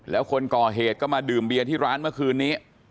แล้วคนก่อเหตุก็มาดื่มเบียร์ที่ร้านเมื่อคืนนี้